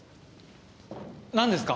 何ですか？